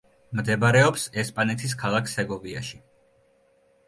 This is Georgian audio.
მდებარეობს ესპანეთის ქალაქ სეგოვიაში.